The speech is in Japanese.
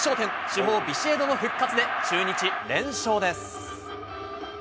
主砲ビシエドの復活で、中日、連勝です。